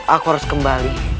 aku harus kembali